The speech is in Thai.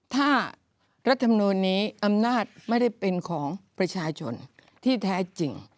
ถ้ารัฐมนูลนี้อำนาจไม่ได้เป็นของประชาชนที่แท้จริง